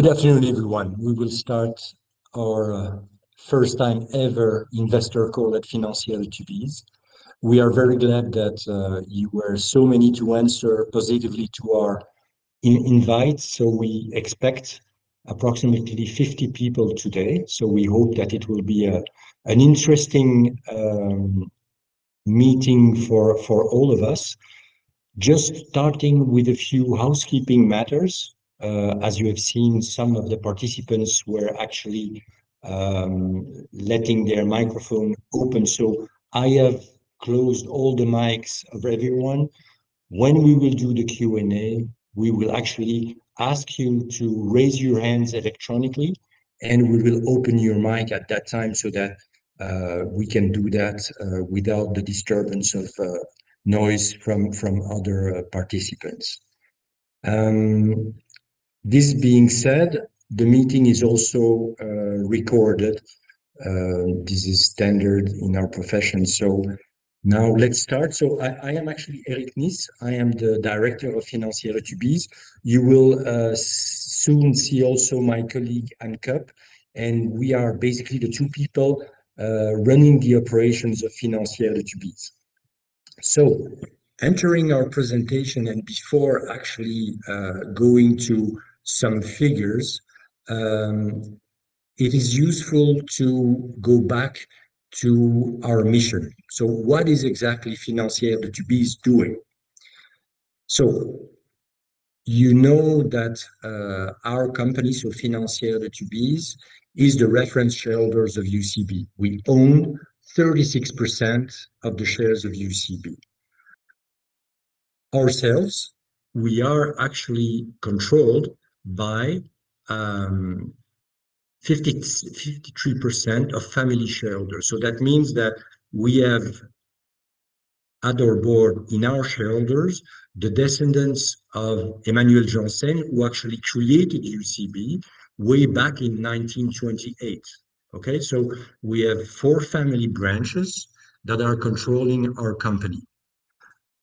Good afternoon, everyone. We will start our first time ever investor call at Financière de Tubize. We are very glad that you were so many to answer positively to our invite, so we expect approximately 50 people today. We hope that it will be an interesting meeting for all of us. Just starting with a few housekeeping matters. As you have seen, some of the participants were actually letting their microphone open. I have closed all the mics of everyone. When we will do the Q&A, we will actually ask you to raise your hands electronically, and we will open your mic at that time so that we can do that without the disturbance of noise from other participants. This being said, the meeting is also recorded. This is standard in our profession. Now let's start. I am actually Eric Nys. I am the Director of Financière de Tubize. You will soon see also my colleague, Anne Keup, and we are basically the two people running the operations of Financière de Tubize. Entering our presentation and before actually going to some figures, it is useful to go back to our mission. What is exactly Financière de Tubize doing? You know that our company, Financière de Tubize, is the reference shareholder of UCB. We own 36% of the shares of UCB. Ourselves, we are actually controlled by 53% of family shareholders. That means that we have on our board and in our shareholders the descendants of Emmanuel Janssen, who actually created UCB way back in 1928. Okay? We have four family branches that are controlling our company.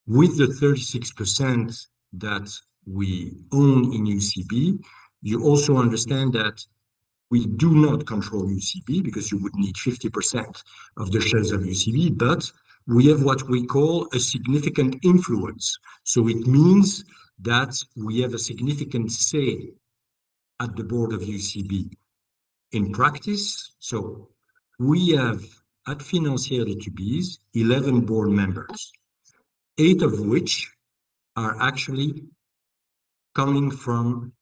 With the 36% that we own in UCB, you also understand that we do not control UCB, because you would need 50% of the shares of UCB, but we have what we call a significant influence. It means that we have a significant say at the board of UCB. In practice, we have, at Financière de Tubize, 11 board members, eight of which are actually coming from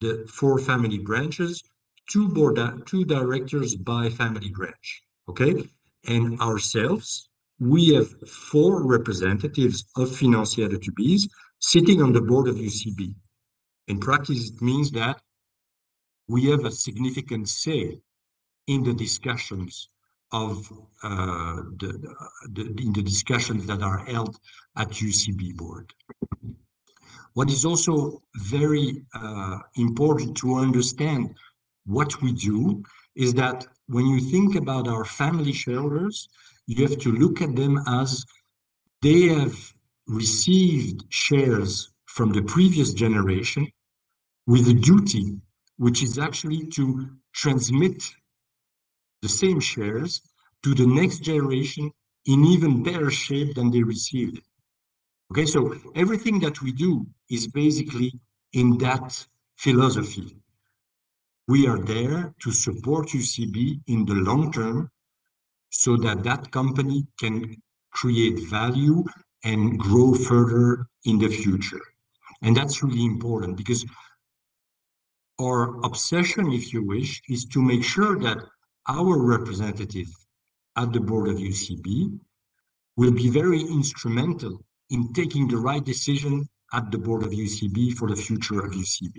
the four family branches, two directors by family branch. Okay? We have four representatives of Financière de Tubize sitting on the board of UCB. In practice, it means that we have a significant say in the discussions that are held at UCB board. What is also very important to understand what we do is that when you think about our family shareholders, you have to look at them as they have received shares from the previous generation with a duty, which is actually to transmit the same shares to the next generation in even better shape than they received. Okay. Everything that we do is basically in that philosophy. We are there to support UCB in the long term so that that company can create value and grow further in the future. That's really important because our obsession, if you wish, is to make sure that our representative at the board of UCB will be very instrumental in taking the right decision at the board of UCB for the future of UCB.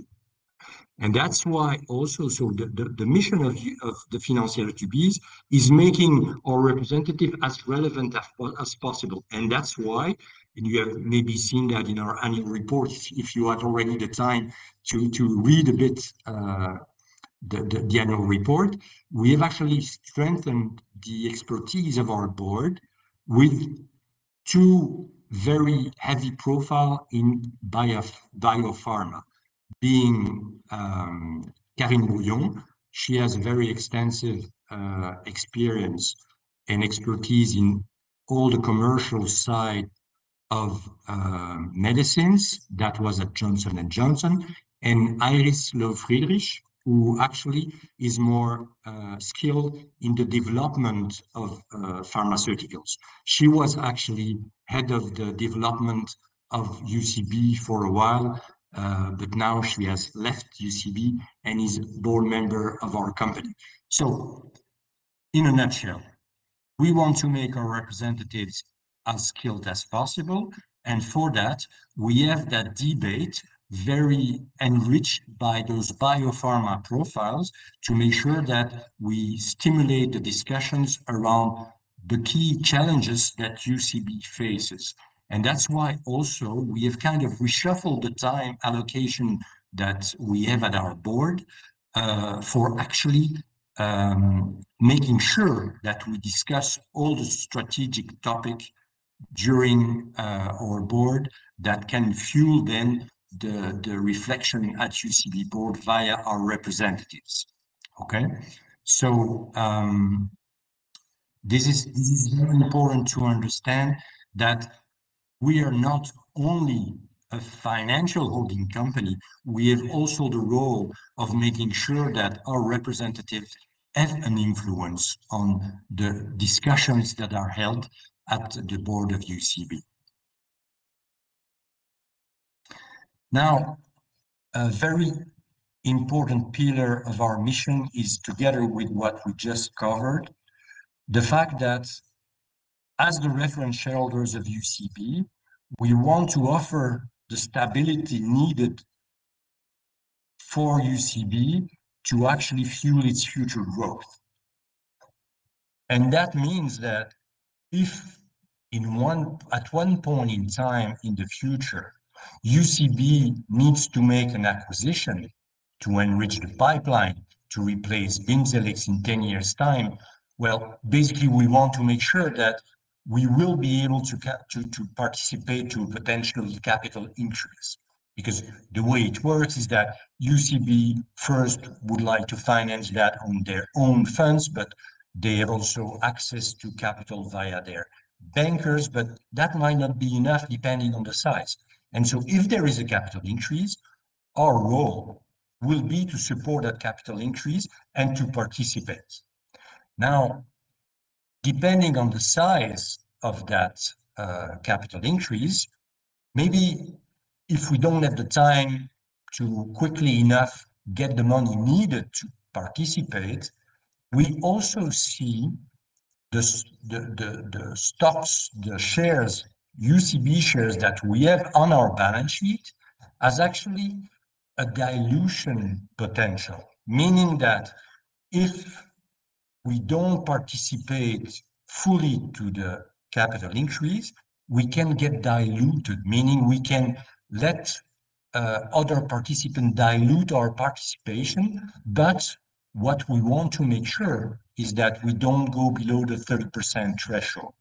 That's why also, so the mission of the Financière de Tubize is making our representative as relevant as possible. That's why, you have maybe seen that in our annual reports, if you had already the time to read a bit, the annual report, we have actually strengthened the expertise of our board with two very heavy profile in biopharma, being Carinne Brouillon. She has very extensive experience and expertise in all the commercial side of medicines. That was at Johnson & Johnson. Iris Löw-Friedrich, who actually is more skilled in the development of pharmaceuticals. She was actually head of the development of UCB for a while, but now she has left UCB and is board member of our company. In a nutshell, we want to make our representatives as skilled as possible, and for that, we have that debate very enriched by those biopharma profiles to make sure that we stimulate the discussions around the key challenges that UCB faces. That's why also we have kind of reshuffled the time allocation that we have at our board, for actually making sure that we discuss all the strategic topics during our board that can fuel then the reflection at UCB board via our representatives. Okay? This is very important to understand that we are not only a financial holding company, we have also the role of making sure that our representatives have an influence on the discussions that are held at the board of UCB. Now, a very important pillar of our mission is together with what we just covered, the fact that as the reference shareholders of UCB, we want to offer the stability needed for UCB to actually fuel its future growth. That means that if at one point in time in the future, UCB needs to make an acquisition to enrich the pipeline to replace Bimzelx in 10 years' time, well, basically, we want to make sure that we will be able to participate in potential capital increase. Because the way it works is that UCB first would like to finance that on their own funds, but they have also access to capital via their bankers, but that might not be enough depending on the size. If there is a capital increase, our role will be to support that capital increase and to participate. Now, depending on the size of that capital increase, maybe if we don't have the time to quickly enough get the money needed to participate, we also see the stocks, the shares, UCB shares that we have on our balance sheet as actually a dilution potential. Meaning that if we don't participate fully to the capital increase, we can get diluted. Meaning we can let other participant dilute our participation, but what we want to make sure is that we don't go below the 30% threshold.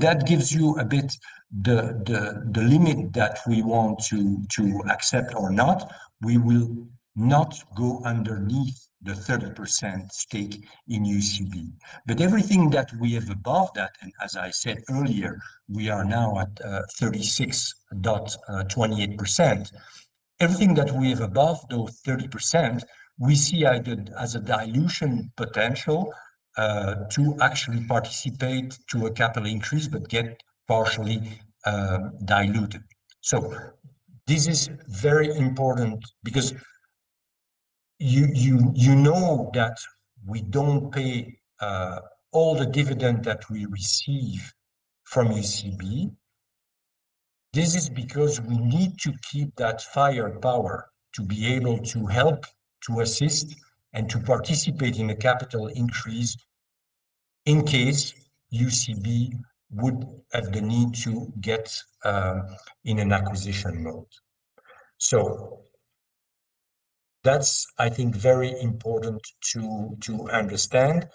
That gives you a bit the limit that we want to accept or not. We will not go underneath the 30% stake in UCB. Everything that we have above that, and as I said earlier, we are now at 36.28%. Everything that we have above those 30%, we see either as a dilution potential to actually participate to a capital increase but get partially diluted. This is very important because you know that we don't pay all the dividend that we receive from UCB. This is because we need to keep that firepower to be able to help, to assist, and to participate in a capital increase in case UCB would have the need to get in an acquisition mode. That's, I think, very important to understand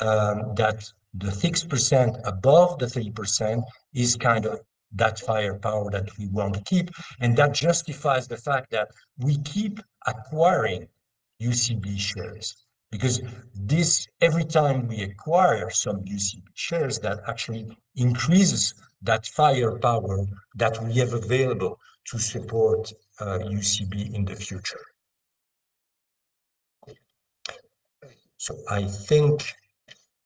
that the 6% above the 3% is kind of that firepower that we want to keep, and that justifies the fact that we keep acquiring UCB shares. Because this, every time we acquire some UCB shares, that actually increases that firepower that we have available to support UCB in the future. I think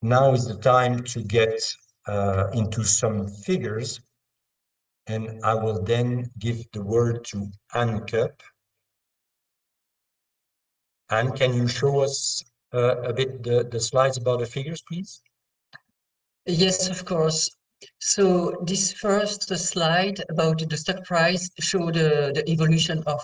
now is the time to get into some figures, and I will then give the word to Anne Keup. Anne, can you show us a bit the slides about the figures, please? Yes, of course. This first slide about the stock price shows the evolution of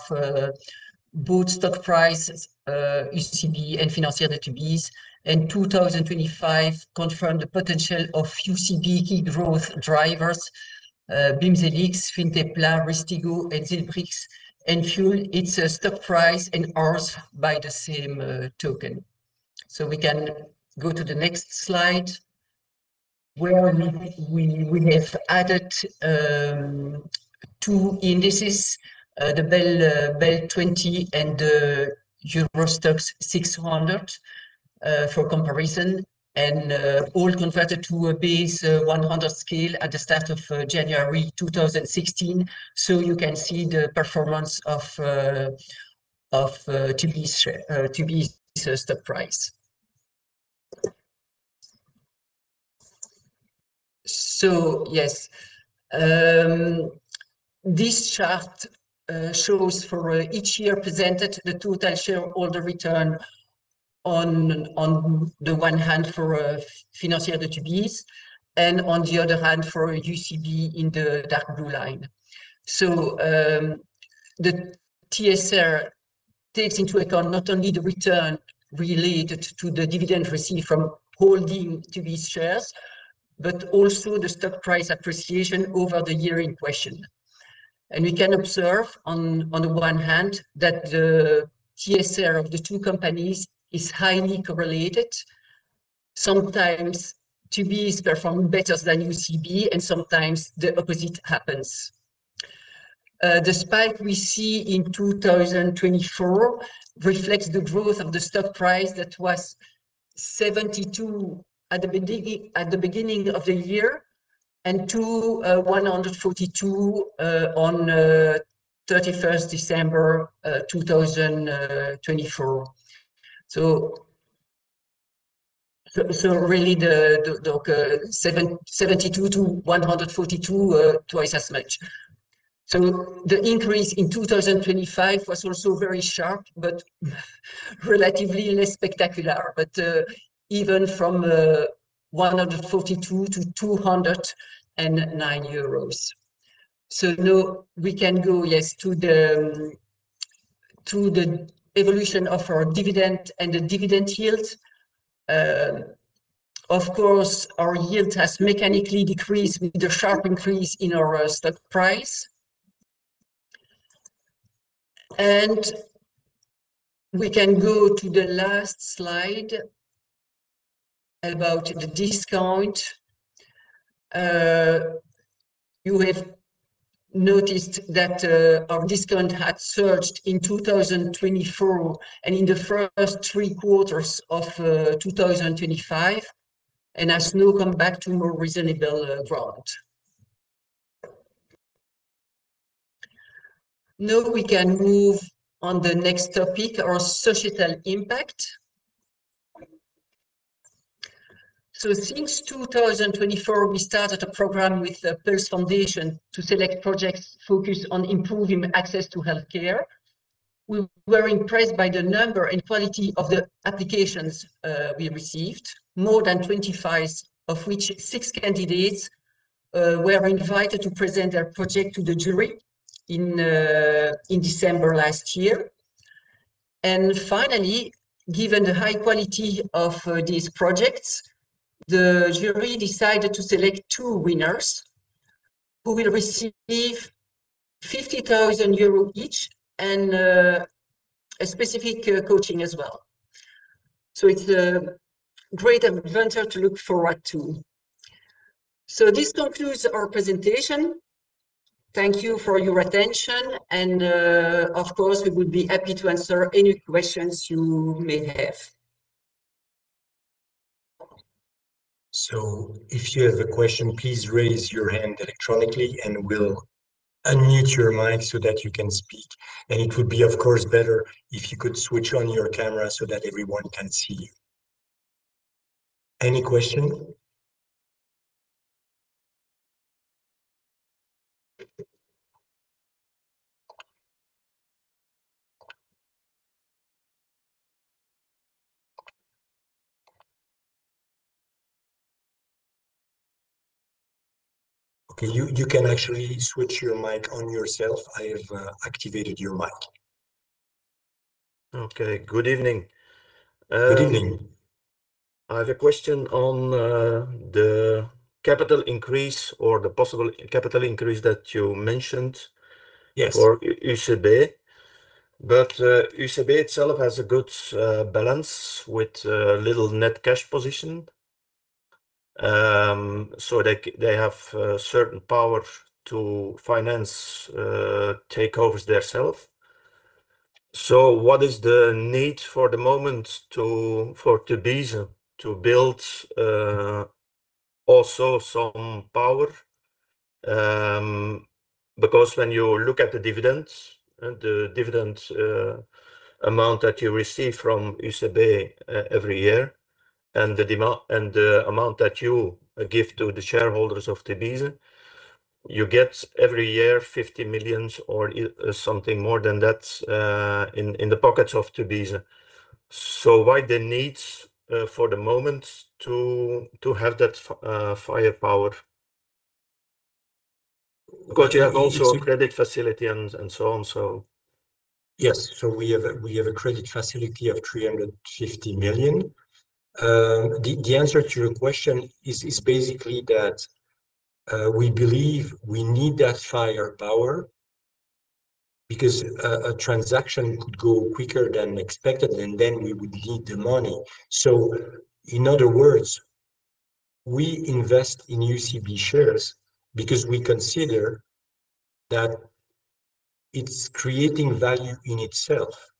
both stock prices, UCB and Financière de Tubize. 2025 confirmed the potential of UCB key growth drivers, Bimzelx, Fintepla, Rystiggo, and Zilbrysq, and fueled its stock price and ours by the same token. We can go to the next slide where we have added two indices, the BEL 20 and the STOXX Europe 600, for comparison, and all converted to a base 100 scale at the start of January 2016. You can see the performance of Tubize's stock price. Yes. This chart shows for each year presented the total shareholder return on the one hand for Financière de Tubize, and on the other hand, for UCB in the dark blue line. The TSR takes into account not only the return related to the dividend received from holding Tubize shares, but also the stock price appreciation over the year in question. We can observe on the one hand that the TSR of the two companies is highly correlated. Sometimes, TB is performing better than UCB, and sometimes the opposite happens. The spike we see in 2024 reflects the growth of the stock price that was 72 at the beginning of the year, and to 142 on December 31st, 2024. Really, the 77.2-142, twice as much. The increase in 2025 was also very sharp, but relatively less spectacular. Even from 142 to 209 euros. Now we can go, yes, to the evolution of our dividend and the dividend yield. Of course, our yield has mechanically decreased with the sharp increase in our stock price. We can go to the last slide about the discount. You have noticed that our discount had surged in 2024 and in the first three quarters of 2025, and has now come back to a more reasonable ground. Now we can move on to the next topic, our societal impact. Since 2024, we started a program with the Pulse Foundation to select projects focused on improving access to healthcare. We were impressed by the number and quality of the applications we received. More than 25, of which six candidates were invited to present their project to the jury in December last year. Finally, given the high quality of these projects, the jury decided to select two winners who will receive 50,000 euros each and a specific coaching as well. It's a great adventure to look forward to. This concludes our presentation. Thank you for your attention. Of course, we would be happy to answer any questions you may have. If you have a question, please raise your hand electronically, and we'll unmute your mic so that you can speak. It would be, of course, better if you could switch on your camera so that everyone can see you. Any question? Okay. You can actually switch your mic on yourself. I have activated your mic. Okay. Good evening. Good evening. I have a question on the capital increase or the possible capital increase that you mentioned- Yes for UCB. UCB itself has a good balance with little net cash position. They have certain power to finance takeovers themselves. What is the need for the moment for Tubize to build also some power? Because when you look at the dividends and the dividend amount that you receive from UCB every year, and the amount that you give to the shareholders of Tubize, you get every year 50 million or something more than that in the pockets of Tubize. Why the needs for the moment to have that firepower? Because you have also a credit facility and so on. Yes. We have a credit facility of 350 million. The answer to your question is basically that we believe we need that firepower because a transaction could go quicker than expected, and then we would need the money. In other words, we invest in UCB shares because we consider that it's creating value in itself.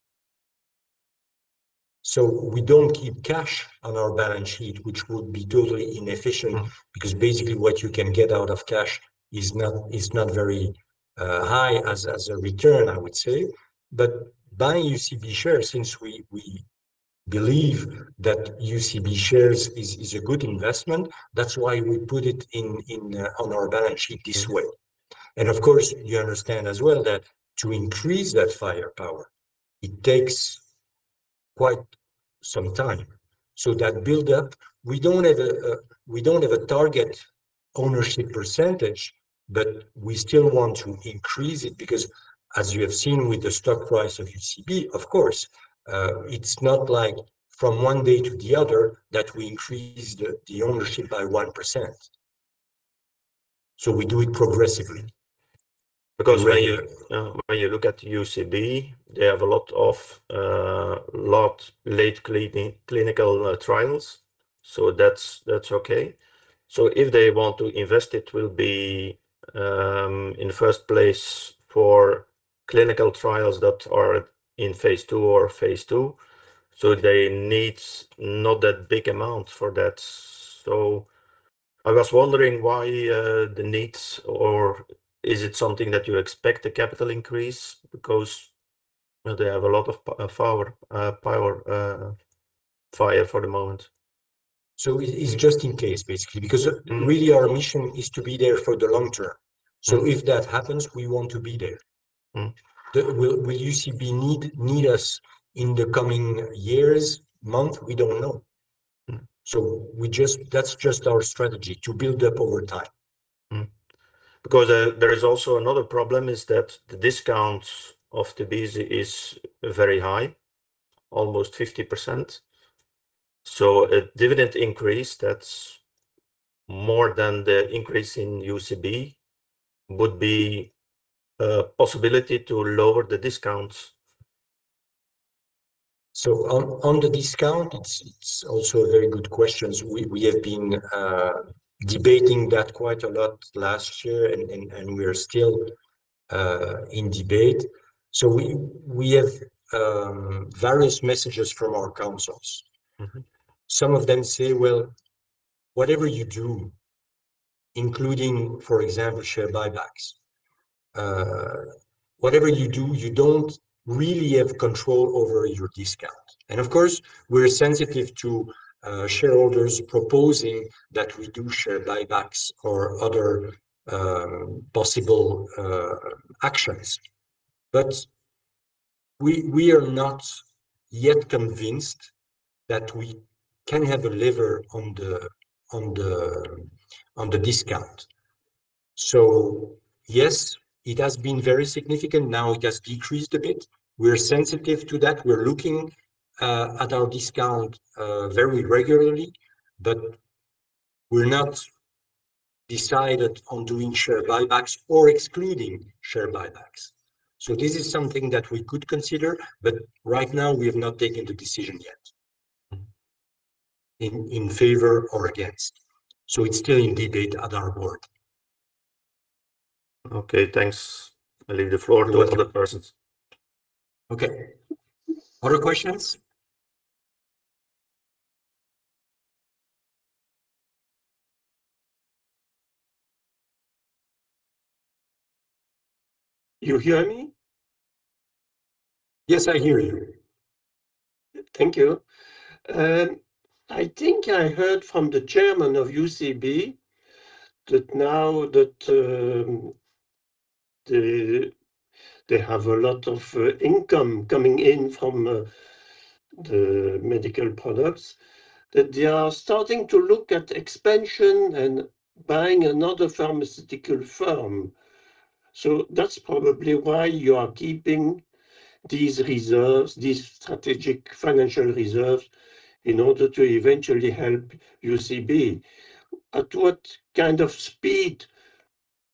We don't keep cash on our balance sheet, which would be totally inefficient. Mm-hmm. Because basically what you can get out of cash is not very high as a return, I would say. Buying UCB shares, since we believe that UCB shares is a good investment, that's why we put it in on our balance sheet this way. Of course, you understand as well that to increase that firepower, it takes quite some time. That build-up, we don't have a target ownership percentage, but we still want to increase it because, as you have seen with the stock price of UCB, of course, it's not like from one day to the other that we increase the ownership by 1%. We do it progressively. Because when you look at UCB, they have a lot of late clinical trials, so that's okay. If they want to invest, it will be in first place for clinical trials that are in phase II, so they need not that big amount for that. They need not that big amount for that. I was wondering why the needs or is it something that you expect a capital increase? Because, you know, they have a lot of firepower for the moment. It's just in case, basically. Mm-hmm. Mm-hmm. Because really our mission is to be there for the long term. Mm-hmm. If that happens, we want to be there. Mm-hmm. Will UCB need us in the coming years, month? We don't know. Mm-hmm. That's just our strategy, to build up over time. Because there is also another problem that the discount of de Tubize is very high, almost 50%. A dividend increase that's more than the increase in UCB would be a possibility to lower the discount. On the discount, it's also a very good question. We have been debating that quite a lot last year and we are still in debate. We have various messages from our counsel. Mm-hmm. Some of them say, "Well, whatever you do, including, for example, share buybacks, whatever you do, you don't really have control over your discount." Of course, we're sensitive to shareholders proposing that we do share buybacks or other possible actions. We are not yet convinced that we can have a lever on the discount. Yes, it has been very significant. Now it has decreased a bit. We're sensitive to that. We're looking at our discount very regularly. We're not decided on doing share buybacks or excluding share buybacks. This is something that we could consider, but right now we have not taken the decision yet. Mm-hmm. In favor or against, so it's still in debate at our board. Okay, thanks. I leave the floor to other persons. Okay. Other questions? You hear me? Yes, I hear you. Thank you. I think I heard from the chairman of UCB that now that they have a lot of income coming in from the medical products, that they are starting to look at expansion and buying another pharmaceutical firm. That's probably why you are keeping these reserves, these strategic financial reserves, in order to eventually help UCB. At what kind of speed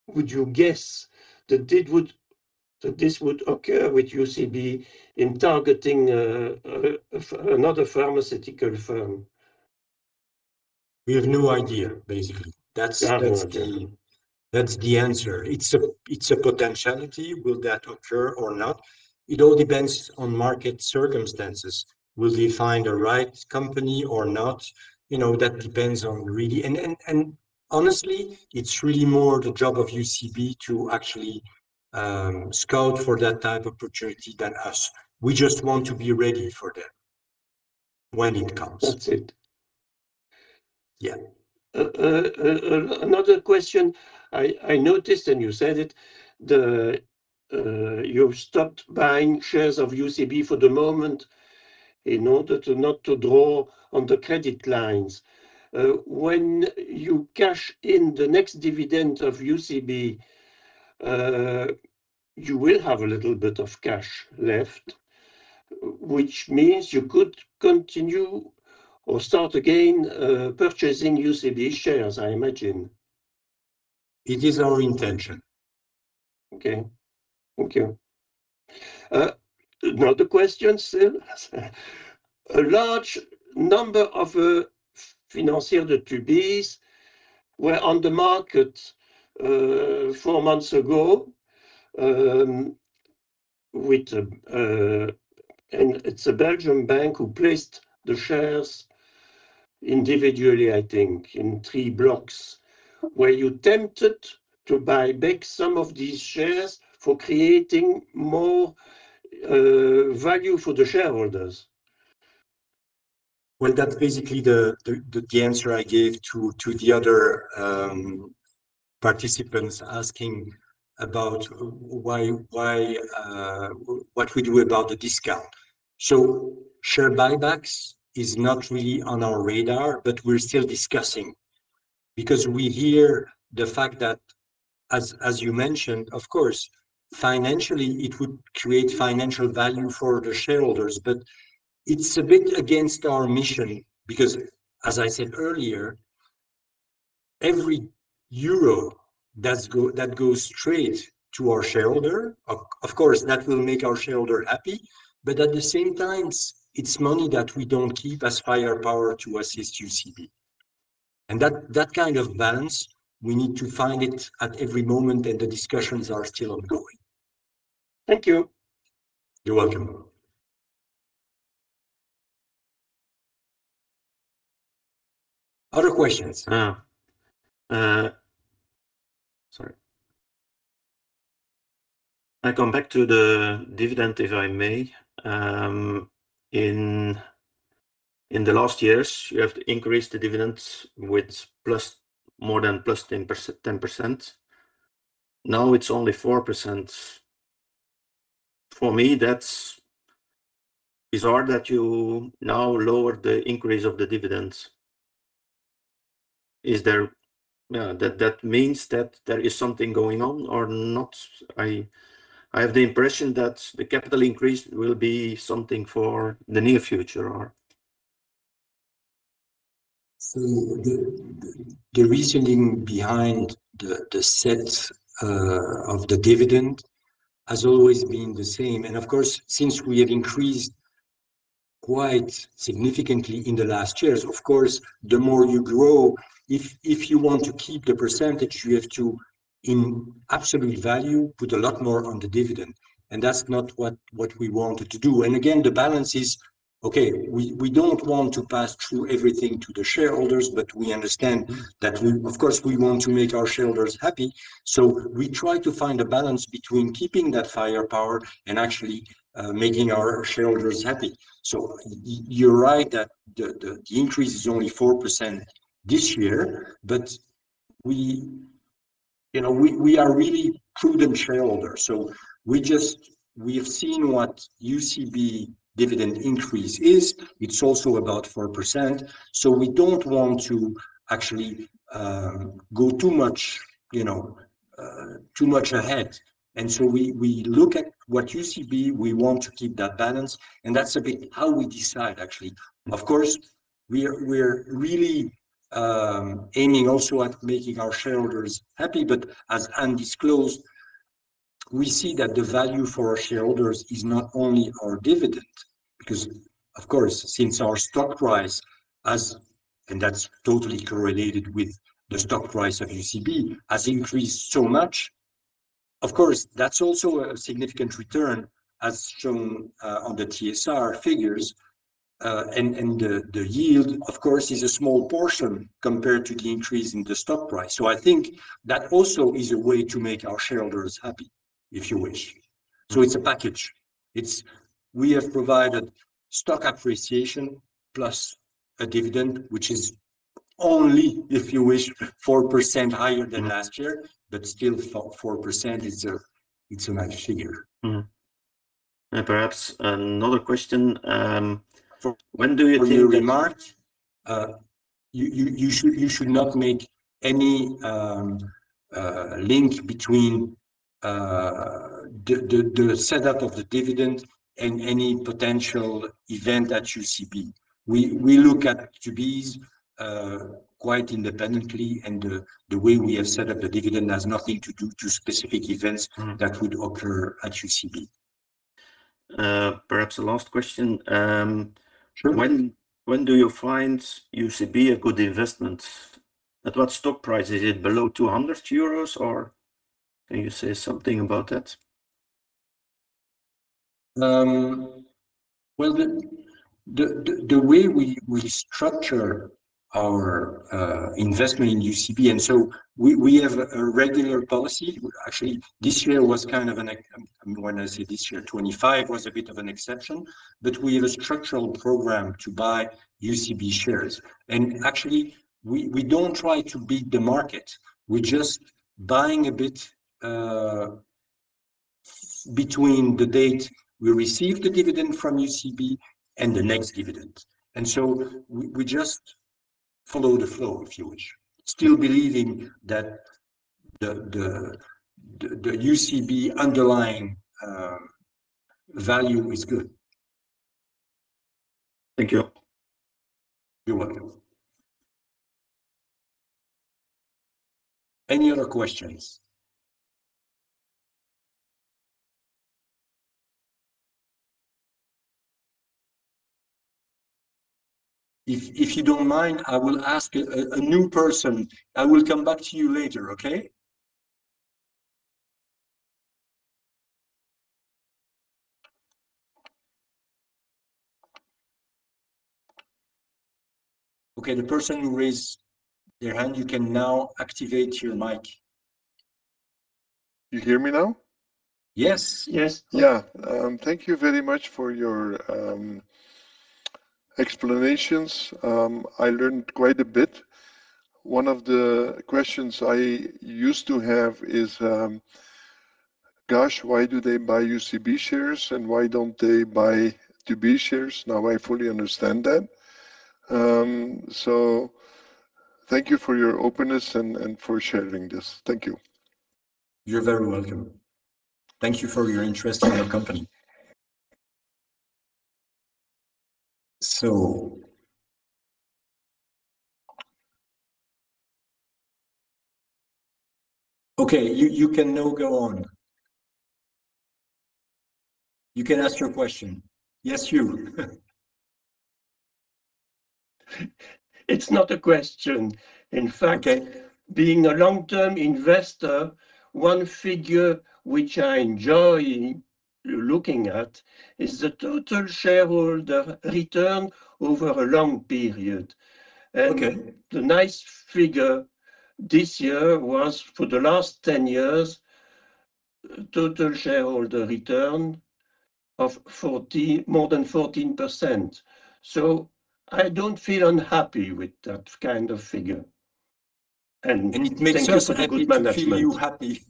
would you guess that this would occur with UCB in targeting another pharmaceutical firm? We have no idea, basically. No idea. That's the answer. It's a potentiality. Will that occur or not? It all depends on market circumstances. Will they find a right company or not? You know, that depends on really. Honestly, it's really more the job of UCB to actually scout for that type of opportunity than us. We just want to be ready for them when it comes. That's it. Yeah. Another question. I noticed, and you said it, you've stopped buying shares of UCB for the moment in order to not to draw on the credit lines. When you cash in the next dividend of UCB, you will have a little bit of cash left, which means you could continue or start again, purchasing UCB shares, I imagine. It is our intention. Okay. Thank you. Another question still. A large number of Financière de Tubize were on the market four months ago. It's a Belgian bank who placed the shares individually, I think, in three blocks. Were you tempted to buy back some of these shares for creating more value for the shareholders? Well, that's basically the answer I gave to the other participants asking about why what we do about the discount. Share buybacks is not really on our radar, but we're still discussing. Because we hear the fact that as you mentioned, of course, financially it would create financial value for the shareholders. But it's a bit against our mission because as I said earlier, every euro that goes straight to our shareholder, of course, that will make our shareholder happy. But at the same time, it's money that we don't keep as firepower to assist UCB. That kind of balance, we need to find it at every moment, and the discussions are still ongoing. Thank you. You're welcome. Other questions? Sorry, I come back to the dividend, if I may. In the last years, you have increased the dividends with more than 10%. Now it's only 4%. For me, that's bizarre that you now lowered the increase of the dividends. That means that there is something going on or not? I have the impression that the capital increase will be something for the near future. The reasoning behind the setting of the dividend has always been the same. Of course, since we have increased quite significantly in the last years, of course, the more you grow, if you want to keep the percentage, you have to, in absolute value, put a lot more on the dividend. That's not what we wanted to do. Again, the balance is, okay, we don't want to pass through everything to the shareholders, but we understand that we of course want to make our shareholders happy. We try to find a balance between keeping that firepower and actually making our shareholders happy. You're right that the increase is only 4% this year, but you know, we are really prudent shareholder. We have seen what UCB dividend increase is. It's also about 4%. We don't want to actually go too much, you know, too much ahead. We look at what UCB, we want to keep that balance, and that's a bit how we decide actually. Of course, we're really aiming also at making our shareholders happy. As Anne disclosed, we see that the value for our shareholders is not only our dividend. Because of course, since our stock price as and that's totally correlated with the stock price of UCB, has increased so much, of course, that's also a significant return as shown on the TSR figures. And the yield, of course, is a small portion compared to the increase in the stock price. I think that also is a way to make our shareholders happy, if you wish. It's a package. We have provided stock appreciation plus a dividend, which is only, if you wish, 4% higher than last year, but still 4% is a, it's a nice figure. Perhaps another question. For- When do you think that? For your remark, you should not make any link between the setup of the dividend and any potential event at UCB. We look at UCB quite independently, and the way we have set up the dividend has nothing to do with specific events. Mm that would occur at UCB. Perhaps a last question. Sure. When do you find UCB a good investment? At what stock price? Is it below 200 euros, or can you say something about that? Well, the way we structure our investment in UCB, we have a regular policy. Actually, this year was kind of an exception, when I say this year, 2025 was a bit of an exception. We have a structural program to buy UCB shares. Actually, we don't try to beat the market. We're just buying a bit between the date we receive the dividend from UCB and the next dividend. We just follow the flow, if you wish. Still believing that the UCB underlying value is good. Thank you. You're welcome. Any other questions? If you don't mind, I will ask a new person. I will come back to you later, okay? Okay. The person who raised their hand, you can now activate your mic. You hear me now? Yes. Yes. Yeah. Thank you very much for your explanations. I learned quite a bit. One of the questions I used to have is, Gosh, why do they buy UCB shares and why don't they buy TB shares? Now I fully understand that. Thank you for your openness and for sharing this. Thank you. You're very welcome. Thank you for your interest in our company. Okay, you can now go on. You can ask your question. Yes, you. It's not a question. In fact. Okay Being a long term investor, one figure which I enjoy looking at is the total shareholder return over a long period. Okay The nice figure this year was, for the last 10 years, total shareholder return of more than 14%. I don't feel unhappy with that kind of figure. It makes us happy to make you happy.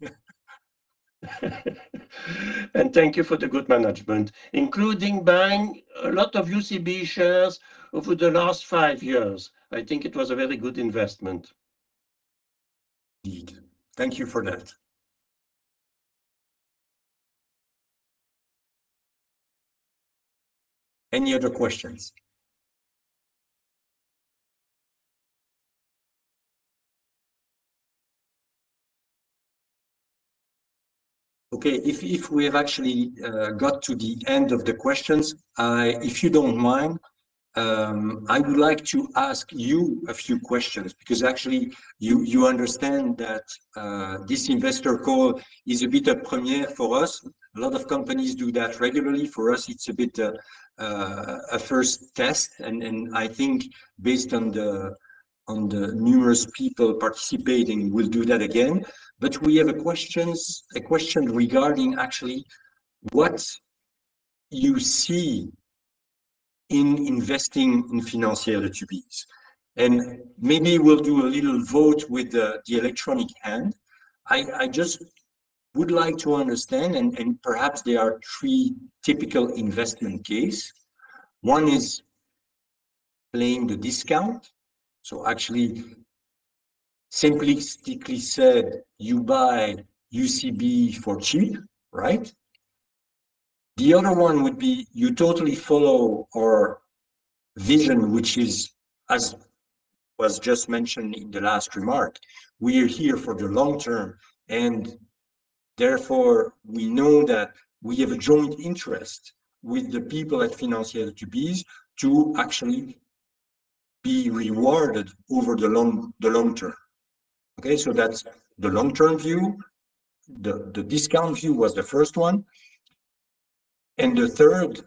Thank you for the good management, including buying a lot of UCB shares over the last five years. I think it was a very good investment. Indeed. Thank you for that. Any other questions? Okay. If we have actually got to the end of the questions, if you don't mind, I would like to ask you a few questions because actually you understand that this investor call is a bit a premiere for us. A lot of companies do that regularly. For us, it's a bit a first test and I think based on the numerous people participating, we'll do that again. We have a question regarding actually what you see in investing in Financière de Tubize. Maybe we'll do a little vote with the electronic hand. I just would like to understand, and perhaps there are three typical investment case. One is playing the discount. Actually simplistically said, you buy UCB for cheap, right? The other one would be you totally follow our vision, which is, as was just mentioned in the last remark, we are here for the long term, and therefore we know that we have a joint interest with the people at Financière de Tubize to actually be rewarded over the long term. Okay? That's the long-term view. The discount view was the first one. The third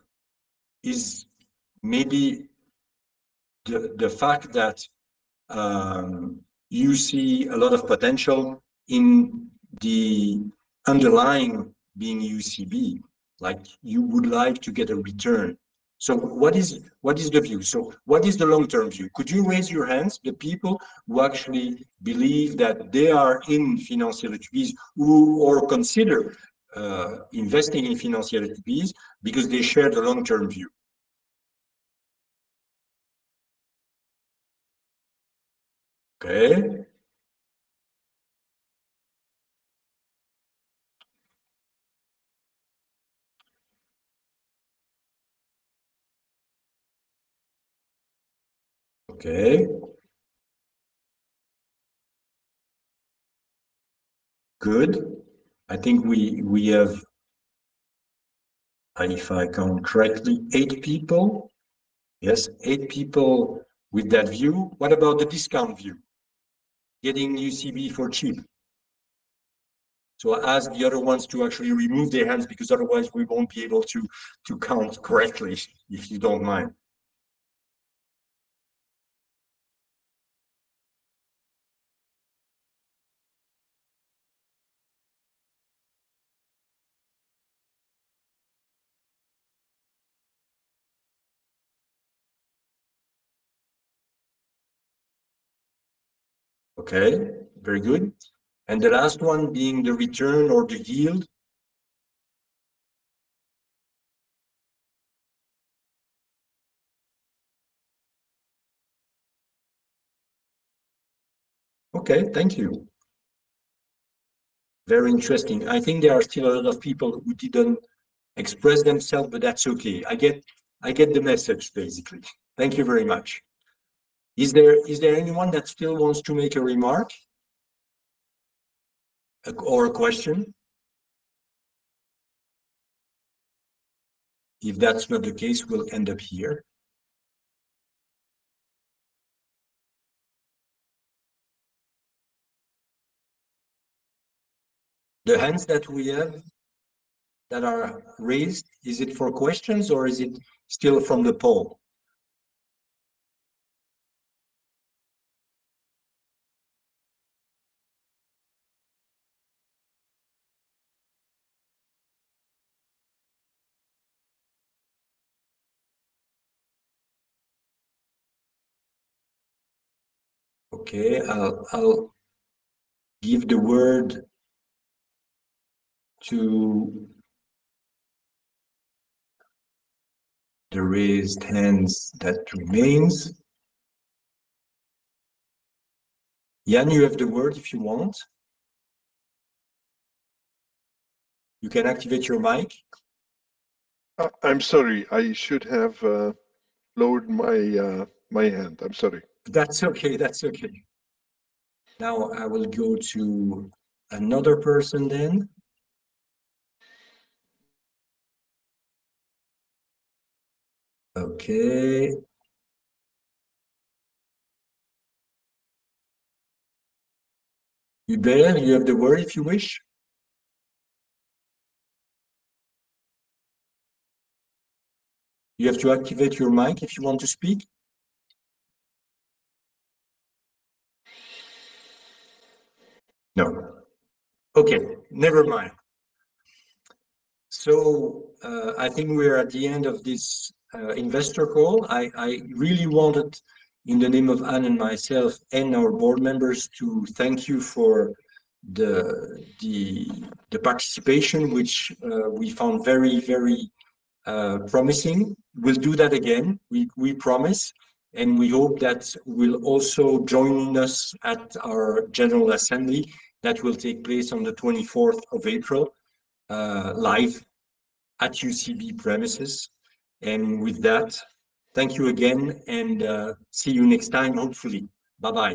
is maybe the fact that you see a lot of potential in the underlying being UCB. Like, you would like to get a return. What is the view? What is the long-term view? Could you raise your hands, the people who actually believe that they are in Financière de Tubize who or consider investing in Financière de Tubize because they share the long-term view? Okay. Okay. Good. I think we have, and if I count correctly, eight people. Yes, eight people with that view. What about the discount view? Getting UCB for cheap. I'll ask the other ones to actually remove their hands because otherwise we won't be able to count correctly, if you don't mind. Okay, very good. The last one being the return or the yield. Okay, thank you. Very interesting. I think there are still a lot of people who didn't express themselves, but that's okay. I get the message, basically. Thank you very much. Is there anyone that still wants to make a remark or a question? If that's not the case, we'll end up here. The hands that we have that are raised, is it for questions or is it still from the poll? Okay, I'll give the word to the raised hands that remains. Jan, you have the word if you want. You can activate your mic. I'm sorry. I should have lowered my hand. I'm sorry. That's okay. Now I will go to another person then. Okay. Hubert, you have the word if you wish. You have to activate your mic if you want to speak. No. Okay, never mind. I think we are at the end of this investor call. I really wanted, in the name of Anne and myself and our board members, to thank you for the participation, which we found very promising. We'll do that again, we promise, and we hope that you will also join us at our general assembly that will take place on the twenty-fourth of April, live at UCB premises. With that, thank you again and see you next time, hopefully. Bye-bye.